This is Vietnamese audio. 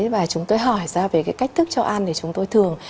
và chúng tôi hỏi ra về cái cách thức cho ăn thì chúng tôi thường